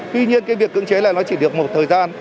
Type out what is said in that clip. tuy nhiên việc cương chế này chỉ được một thời gian